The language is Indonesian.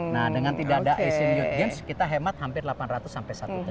nah dengan tidak ada asian youth games kita hemat hampir delapan ratus sampai satu jam